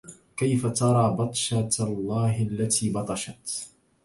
كيف ترى بطشة الله التي بطشت